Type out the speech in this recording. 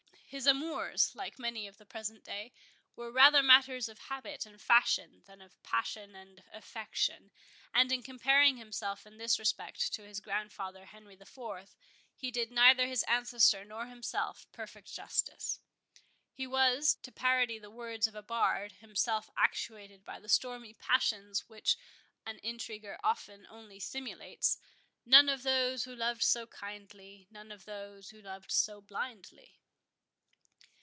His amours, like many of the present day, were rather matters of habit and fashion, than of passion and affection: and, in comparing himself in this respect to his grandfather, Henry IV., he did neither his ancestor nor himself perfect justice. He was, to parody the words of a bard, himself actuated by the stormy passions which an intriguer often only simulates,— None of those who loved so kindly, None of those who loved so blindly.